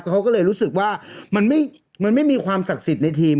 เขาก็เลยรู้สึกว่ามันไม่มีความศักดิ์สิทธิ์ในทีม